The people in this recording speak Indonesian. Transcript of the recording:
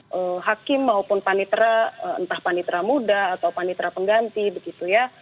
baik hakim maupun panitra entah panitra muda atau panitra pengganti begitu ya